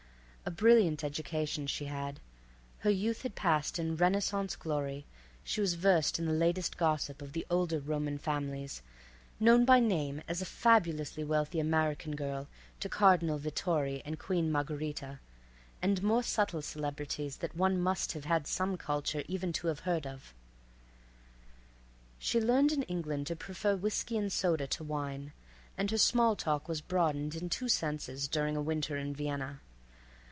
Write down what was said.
A brilliant education she had—her youth passed in renaissance glory, she was versed in the latest gossip of the Older Roman Families; known by name as a fabulously wealthy American girl to Cardinal Vitori and Queen Margherita and more subtle celebrities that one must have had some culture even to have heard of. She learned in England to prefer whiskey and soda to wine, and her small talk was broadened in two senses during a winter in Vienna.